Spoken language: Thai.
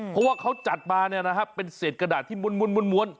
เพราะว่าเขาจัดมาเป็นเศษกระดาษที่ม้วน